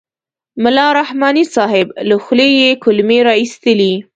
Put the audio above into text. ملا رحماني صاحب له خولې یې کلمې را اېستلې.